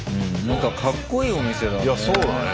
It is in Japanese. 何かかっこいいお店だね。